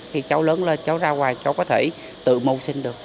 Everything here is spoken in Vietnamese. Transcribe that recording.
khi cháu lớn lên cháu ra ngoài cháu có thể tự mưu sinh được